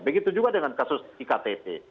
begitu juga dengan kasus iktp